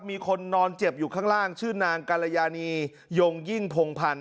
มีคนนอนเจ็บอยู่ข้างล่างชื่อนางกรยานียงยิ่งพงพันธ์